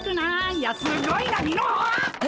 いやすっごいなミノあ！